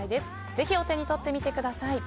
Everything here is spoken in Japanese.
ぜひお手に取ってみてください。